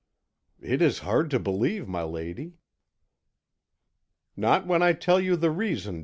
"It is hard to believe, my lady." "Not when I tell you the reason.